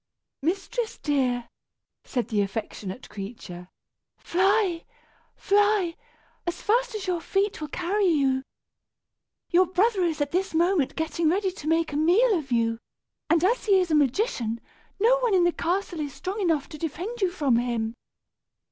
"Mistress dear," said the affectionate creature, "fly, fly, as fast as your feet will carry you. Your brother is at this moment getting ready to make a meal of you, and as he is a magician no one in the castle is strong enough to defend you from him.